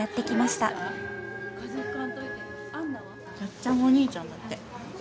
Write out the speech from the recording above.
たっちゃんお兄ちゃんだって。